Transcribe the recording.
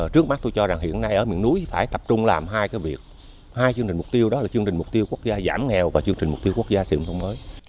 trước mắt tôi cho rằng hiện nay ở miền núi phải tập trung làm hai cái việc hai chương trình mục tiêu đó là chương trình mục tiêu quốc gia giảm nghèo và chương trình mục tiêu quốc gia xây dựng nông thôn mới